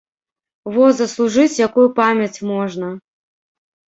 Во заслужыць якую памяць можна!